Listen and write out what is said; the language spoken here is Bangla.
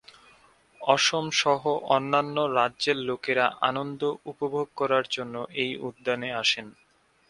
অসম সহ অন্যান্য রাজ্যের লোকেরা আনন্দ উপভোগ করার জন্য এই উদ্যানে আসেন।